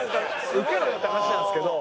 ウケろよって話なんですけど。